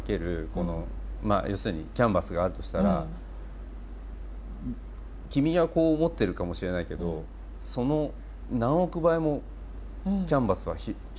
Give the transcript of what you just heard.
この要するにキャンバスがあるとしたら君はこう思ってるかもしれないけどその何億倍もキャンバスは広いよ。